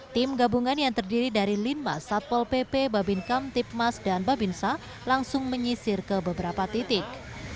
tim gabungan yang terdiri dari lima satpol pp babinkam tipmas dan babinsa langsung menyisir ke beberapa titik